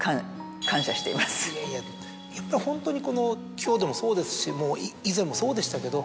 やっぱりホントにこの今日でもそうですし以前もそうでしたけど。